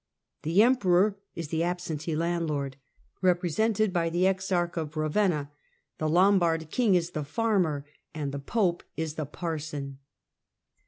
The Emperor is the absentee landlord, represented by the Exarch of Ravenna, the Lombard King is the farmer, and the Pope the parson.